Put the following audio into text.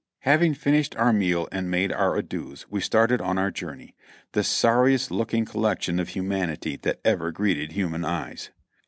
Having finished our meal and made our adieus, we started on our journey, the sorriest looking collection of humanity that ever greeted human eyes.